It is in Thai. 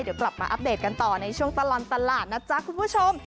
เดี๋ยวกลับมาอัปเดตกันต่อในช่วงตลอดตลาดนะจ๊ะคุณผู้ชม